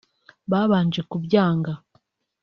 babanje kubyanga